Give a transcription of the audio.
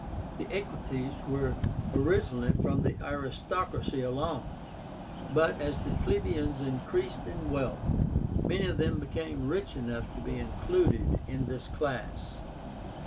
The Equites were originally from the aristocracy alone, but, as the plebeians increased in wealth, many of them became rich enough to be included in this class.